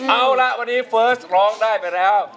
เอาละวันนี้เฟิร์สร้องได้ไปแล้ว